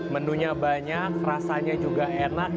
menunya banyak rasanya juga enak